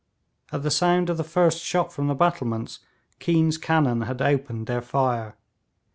At the sound of the first shot from the battlements, Keane's cannon had opened their fire.